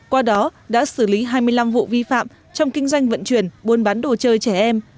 qua đó đã xử lý hai mươi năm vụ vi phạm trong kinh doanh vận chuyển buôn bán đồ chơi trẻ em